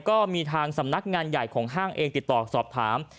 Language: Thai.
ก็มีทางสำนักงานใหญ่ของห้างเองติดต่อสอบถาม